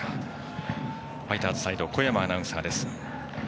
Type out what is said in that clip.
ファイターズサイド小山アナウンサーです。